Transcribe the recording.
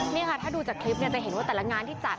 นี่ค่ะถ้าดูจากคลิปเนี่ยจะเห็นว่าแต่ละงานที่จัด